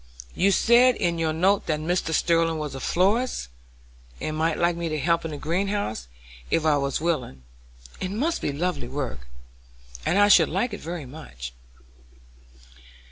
"You said in your note that Mr. Sterling was a florist, and might like me to help in the green house, if I was willing. It must be lovely work, and I should like it very much."